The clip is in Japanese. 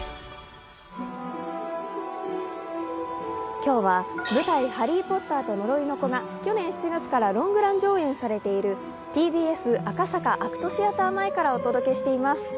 今日は舞台「ハリー・ポッターと呪いの子」が去年７月からロングラン上演されているＴＢＳ赤坂ＡＣＴシアター前からお届けしています。